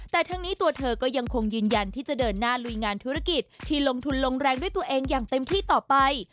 แต่ทั้งนี้ตัวเธอก็ยังคงยืนยันที่จะเดินหน้าลุยงานธุรกิจที่ลงทุนลงแรงด้วยตัวเองอย่างเต็มที่ต่อไป